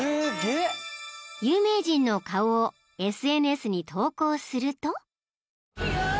［有名人の顔をＳＮＳに投稿すると］